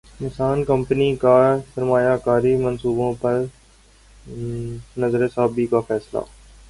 نسان company کا سرمایہ کاری منصوبے پر نظرثانی کا فیصلہ